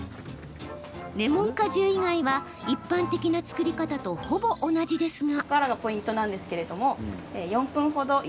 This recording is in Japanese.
レモン果汁以外は、一般的な作り方とほぼ同じですが。